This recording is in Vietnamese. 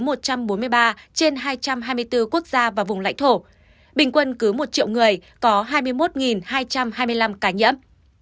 trong khi với tỷ lệ số ca nhiễm trên hai trăm hai mươi bốn quốc gia và vùng lãnh thổ bình quân cứ một triệu người có hai mươi một hai trăm hai mươi năm ca nhiễm